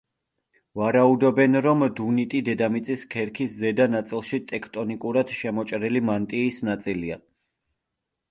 ვარაუდობენ, რომ დუნიტი დედამიწის ქერქის ზედა ნაწილში ტექტონიკურად შემოჭრილი მანტიის ნაწილია.